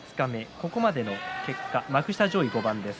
ここまでの結果幕下上位５番です。